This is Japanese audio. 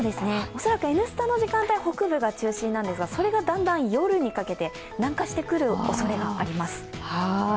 恐らく「Ｎスタ」の時間帯は北部が中心なんですが、それがだんだん夜にかけて南下してくるおそれがあります。